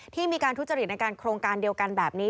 ที่มีการทุจริตในการโครงการเดียวกันแบบนี้